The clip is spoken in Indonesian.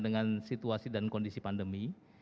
dengan situasi dan kondisi pandemi